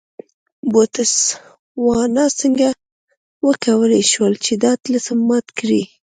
بوتسوانا څنګه وکولای شول چې دا طلسم مات کړي.